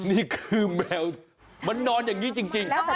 นี่คือแมวมันนอนอย่างนี้จริง